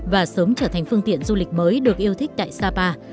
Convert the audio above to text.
và sớm trở thành phương tiện du lịch mới được yêu thích tại sapa